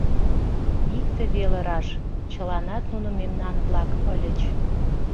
Икте веле раш: чыланат нуно мемнан-влак ыльыч.